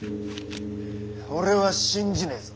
俺は信じねえぞ。